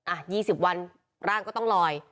อ่ะ๒๐วันร่างก็ต้องลอย